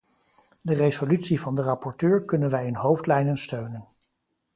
De resolutie van de rapporteur kunnen wij in hoofdlijnen steunen.